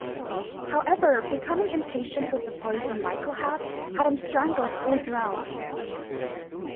However, becoming impatient with the poison Michael had had him strangled or drowned.